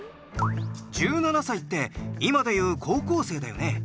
１７歳って今で言う高校生だよね。